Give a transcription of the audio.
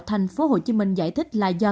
thành phố hồ chí minh giải thích là do